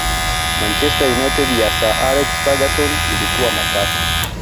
manchester united ya sir alex ferguson ilikuwa matata